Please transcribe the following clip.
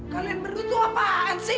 kalian berdua tuh apaan sih